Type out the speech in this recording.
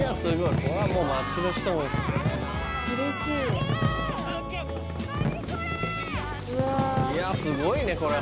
いやすごいねこれ。